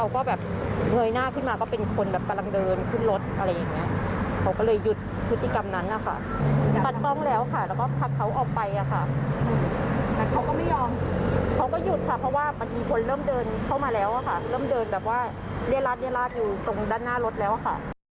เขาก็หยุดค่ะเพราะว่ามันมีคนเริ่มเดินเข้ามาแล้วค่ะ